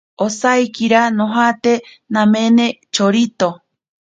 Osaikira nojate namene chorito.